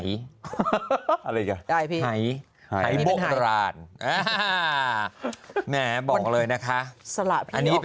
สละไปนี่ของเสียงแปลงขาดมันอะไรหรือ